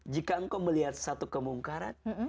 jika engkau melihat satu kemungkaran